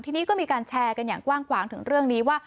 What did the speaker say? ทีนี้ก็มีการแชร์กันอย่างกว้างขวางถึงเรื่องนี้ว่า